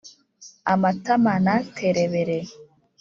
amatama naterebere